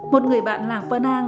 một người bạn làng phở nang